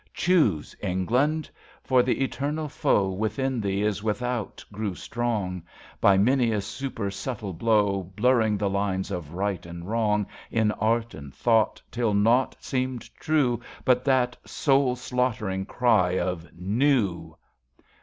Choose, England ! For the eternal foe Within thee, as without, grew strong. By many a super subtle blow Blurring the lines of right and wrong In Art and Thought, till nought seemed true But that soul slaughtering cry of New!